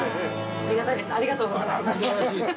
◆ありがとうございます。